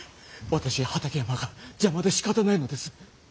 私や畠山が邪魔でしかたないのです。